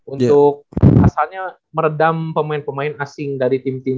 untuk asalnya meredam pemain pemain asing dari team team